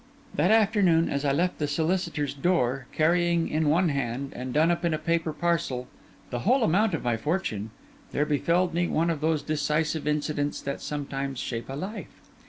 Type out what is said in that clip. That afternoon, as I left the solicitor's door, carrying in one hand, and done up in a paper parcel, the whole amount of my fortune, there befell me one of those decisive incidents that sometimes shape a life.